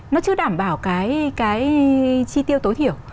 nó chưa đảm bảo cái chi tiêu tối thiểu